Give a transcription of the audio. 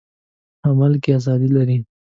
عمل کې ازادي لري.